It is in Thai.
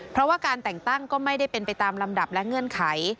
เพราะว่าการแต่งตั้งก็ไม่ได้เป็นไปตามลำดับและเงื่อนไข